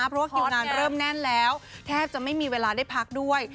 เพราะว่าคิวงานเริ่มแน่นแล้วแทบจะไม่มีเวลาได้พักด้วย